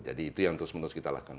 jadi itu yang terus menerus kita lakukan